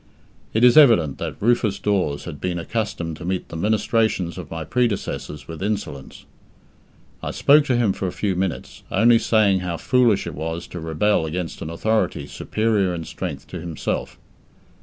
It is evident that Rufus Dawes had been accustomed to meet the ministrations of my predecessors with insolence. I spoke to him for a few minutes, only saying how foolish it was to rebel against an authority superior in strength to himself.